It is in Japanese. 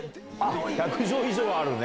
１００畳以上はあるね。